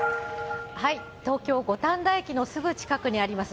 東京・五反田駅のすぐ近くにあります